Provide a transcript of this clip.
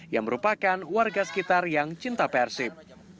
yang merupakan warga sekitar yang cinta persib